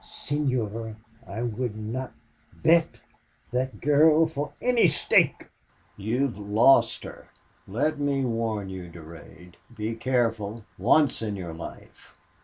"Senor, I would not bet that girl for any stake!" "You have LOST her... Let me warn you, Durade. Be careful, once in your life!...